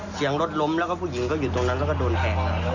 เสียงรถล้มแล้วก็ผู้หญิงก็อยู่ตรงนั้นแล้วก็โดนแทง